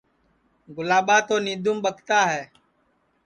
گُلاٻا تو نینٚدُؔوم ٻکتا ہے